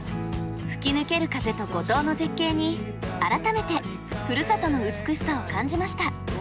吹き抜ける風と五島の絶景に改めてふるさとの美しさを感じました。